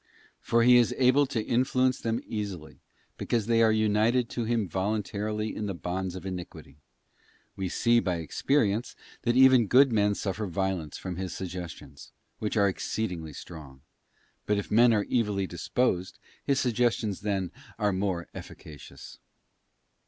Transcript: For he is able to influence them easily, because they are united to him voluntarily in the bonds of iniquity. We see, by experience, that even good men suffer violence from his suggestions, which are exceedingly strong; but if men are evilly disposed, his suggestions then are more efficacious.